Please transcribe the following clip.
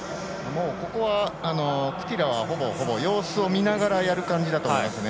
ここはクティラはほぼ様子を見ながらやる感じだと思います。